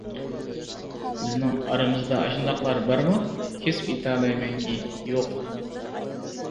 بىزنىڭ ئارىمىزدا ئاشۇنداقلار بارمۇ؟ كېسىپ ئېيتالايمەنكى يوق!